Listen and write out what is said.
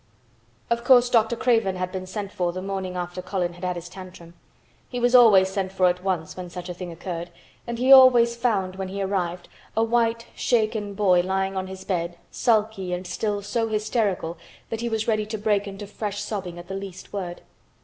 Of course Dr. Craven had been sent for the morning after Colin had had his tantrum. He was always sent for at once when such a thing occurred and he always found, when he arrived, a white shaken boy lying on his bed, sulky and still so hysterical that he was ready to break into fresh sobbing at the least word.